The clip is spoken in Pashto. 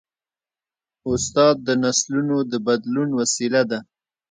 استاد د نسلونو د بدلون وسیله ده.